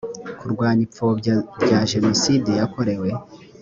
kurwanya ipfobya rya jenoside yakorewe